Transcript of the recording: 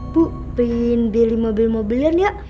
bu pengen beli mobil mobilan ya